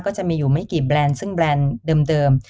จะมีอยู่ไม่กี่แบรนด์ซึ่งแบรนด์เดิม